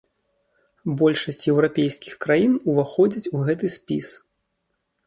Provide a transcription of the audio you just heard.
Большасць еўрапейскіх краін уваходзяць у гэты спіс.